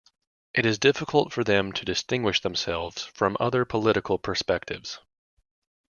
It is difficult for them to distinguish themselves from other political perspectives.